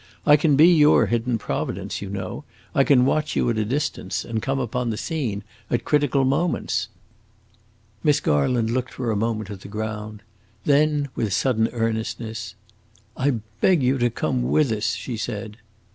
I can be your hidden providence, you know; I can watch you at a distance, and come upon the scene at critical moments." Miss Garland looked for a moment at the ground; and then, with sudden earnestness, "I beg you to come with us!" she said.